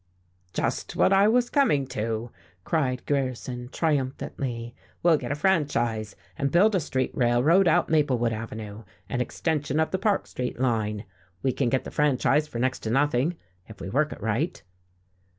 "Just what I was coming to," cried Grierson, triumphantly, "we'll get a franchise, and build a street railroad out Maplewood Avenue, an extension of the Park Street line. We can get the franchise for next to nothing, if we work it right."